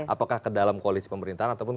apakah ke dalam koalisi pemerintahan ataupun